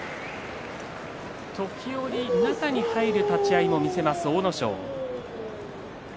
時折、中に入る立ち合いを見せます、阿武咲。